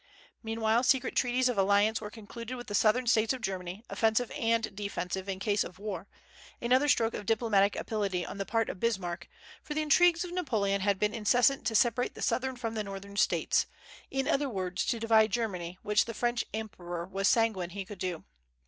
Meanwhile, secret treaties of alliance were concluded with the southern States of Germany, offensive and defensive, in case of war, another stroke of diplomatic ability on the part of Bismarck; for the intrigues of Napoleon had been incessant to separate the southern from the northern States, in other words, to divide Germany, which the French emperor was sanguine he could do.